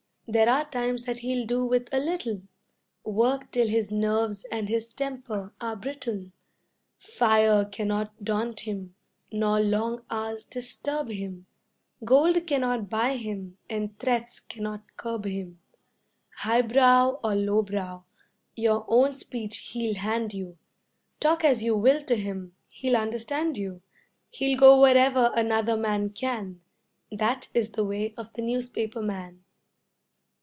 There are times that he'll do with a little, Work till his nerves and his temper are brittle; Fire cannot daunt him, nor long hours disturb him, Gold cannot buy him and threats cannot curb him; Highbrow or lowbrow, your own speech he'll hand you, Talk as you will to him, he'll understand you; He'll go wherever another man can That is the way of the newspaper man.